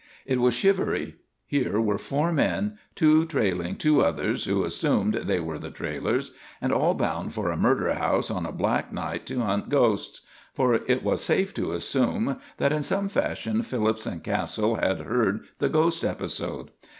It was shivery. Here were four men, two trailing two others who assumed they were the trailers; and all bound for a murder house on a black night to hunt ghosts: for it was safe to assume that in some fashion Phillips and Castle had heard the ghost episode.